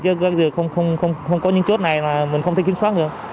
chứ không có những chốt này là mình không thể kiểm soát được